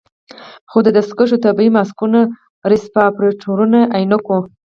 خو د دستکشو، طبي ماسکونو، رسپايرتورونو، عينکو